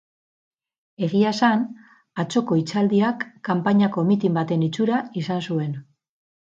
Egia esan, atzoko hitzaldiak kanpainako mitin baten itxura izan zuen.